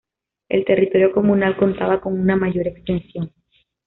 El territorio comunal contaba con una mayor extensión.